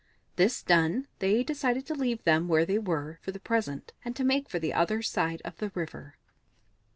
This done, they decided to leave them where they were for the present, and to make for the other side of the river.